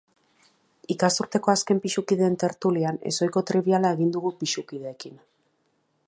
Ikasturteko azken pisukideen tertulian, ezohiko tribiala egin dugu pisukideekin.